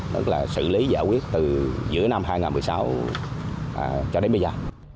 tức là xử lý giải quyết từ giữa năm hai nghìn một mươi sáu cho đến bây giờ